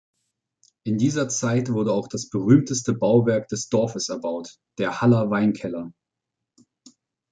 In dieser Zeit wurde auch das berühmteste Bauwerk des Dorfes erbaut, der Haller-Weinkeller.